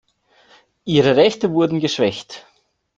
Ihre Rechte wurden geschwächt.